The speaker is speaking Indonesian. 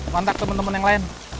mantap temen temen yang lain